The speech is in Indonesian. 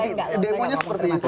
demonya seperti itu